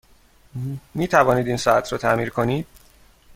می توانید این ساعت را تعمیر کنید؟